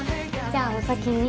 じゃあお先に。